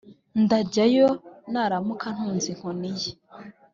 ndajyayo naramuka antunze inkoni ye